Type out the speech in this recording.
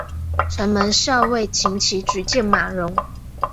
城门校尉岑起举荐马融。